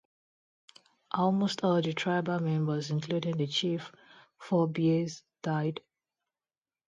Almost all the tribal members, including the chief, Four Bears, died.